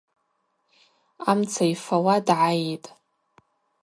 Амца йфауа дгайитӏ.